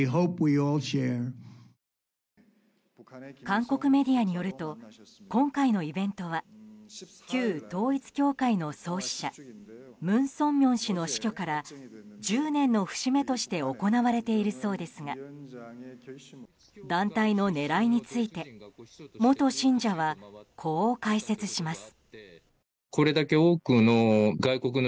韓国メディアによると今回のイベントは旧統一教会の創始者文鮮明氏の死去から１０年の節目として行われているそうですが団体の狙いについて元信者はこう解説します。